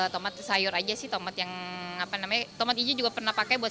tomat sayur aja sih tomat yang apa namanya tomat hijau juga pernah pakai buat